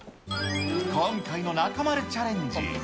今回の中丸チャレンジ。